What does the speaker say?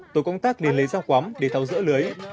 tổ công tác đến lấy dao quắm để tháo rỡ lưới